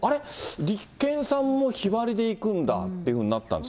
立憲さんも日割りでいくんだっていうふうになった。